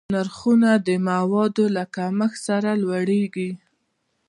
نرخونه د موادو له کمښت سره لوړېږي.